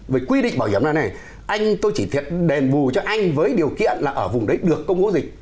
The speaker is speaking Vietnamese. với quy định bảo hiểm này anh tôi chỉ thiệt đền bù cho anh với điều kiện là ở vùng đấy được công bố dịch